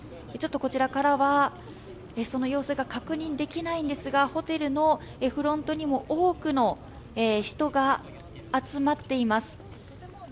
こちらからはその様子が確認できないんですが、ホテルのフロントにも多くの人が集まっています。